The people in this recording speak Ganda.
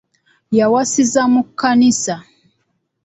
Yawasiza mu Kkanisa.